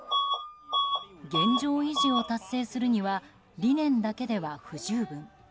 現状維持を達成するには理念だけでは不十分。